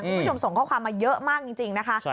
คุณผู้ชมส่งข้อความมาเยอะมากจริงนะคะ